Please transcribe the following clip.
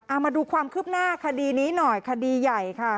เอามาดูความคืบหน้าคดีนี้หน่อยคดีใหญ่ค่ะ